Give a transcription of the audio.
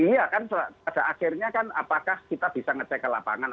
iya kan pada akhirnya kan apakah kita bisa ngecek ke lapangan